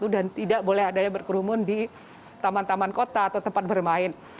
dan tidak boleh adanya berkerumun di taman taman kota atau tempat bermain